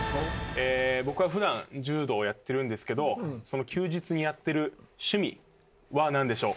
僕はふだん柔道をやってるんですけどその休日にやってる趣味は何でしょう？